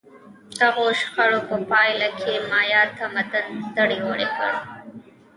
دغو شخړو په پایله کې مایا تمدن دړې وړې کړ